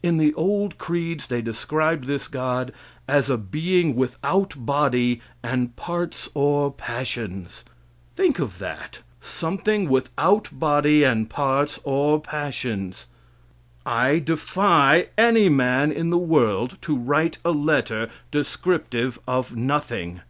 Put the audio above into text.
In the old creeds they described this God as a being without body and parts or passions. Think of that! Something without body and parts or passions. I defy any man in the world to write a letter descriptive of nothing.